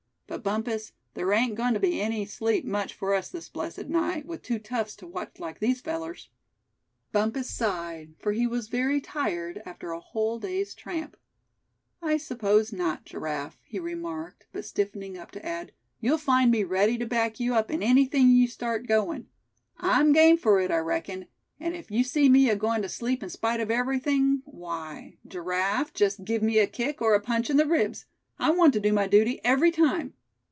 But Bumpus, there ain't going to be any sleep much for us this blessed night, with two toughs to watch like these fellers." Bumpus sighed, for he was very tired after a whole day's tramp. "I suppose not, Giraffe;" he remarked, but stiffening up to add; "you'll find me ready to back you up in anything you start goin'. I'm game for it, I reckon; and if you see me agoin' to sleep in spite of everything, why, Giraffe, just give me a kick or a punch in the ribs. I want to do my duty every time."